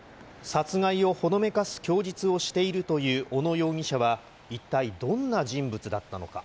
殺害をほのめかす供述をしているという小野容疑者は、一体どんな人物だったのか。